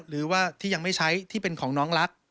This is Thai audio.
หรือว่าที่ยังไม่ใช้ที่เป็นของน้องรัก